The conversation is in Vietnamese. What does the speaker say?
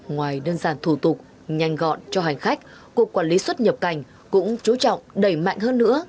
ngoài đơn giản thủ tục nhanh gọn cho hành khách cục quản lý xuất nhập cảnh cũng chú trọng đẩy mạnh hơn nữa